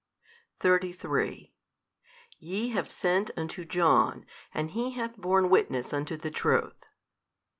33 YE have sent unto John, and he hath borne witness unto the Truth.